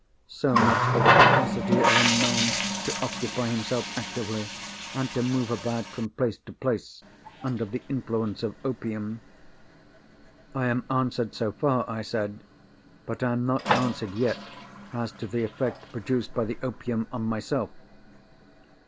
So much for the capacity of a man to occupy himself actively, and to move about from place to place under the influence of opium." "I am answered so far," I said; "but I am not answered yet as to the effect produced by the opium on myself."